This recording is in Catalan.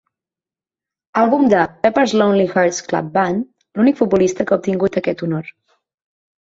Àlbum de Pepper's Lonely Hearts Club Band, l'únic futbolista que ha obtingut aquest honor.